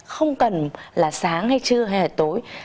không cần là sáng hay trưa hay tối